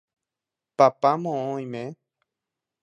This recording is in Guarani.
papá moõ oime